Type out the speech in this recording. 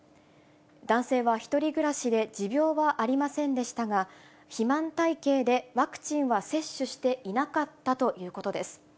男性は１人暮らしで持病はありませんでしたが、肥満体型で、ワクチンは接種していなかったということです。